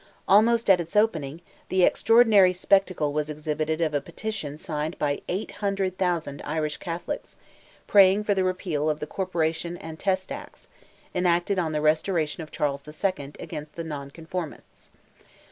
Almost at its opening, the extraordinary spectacle was exhibited of a petition signed by 800,000 Irish Catholics, praying for the repeal of "the Corporation and Test Acts," enacted on the restoration of Charles II., against the non Conformists.